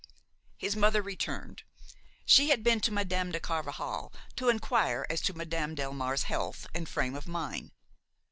His mother returned; she had been to Madame de Carvajal to inquire as to Madame Delmare's health and frame of mind.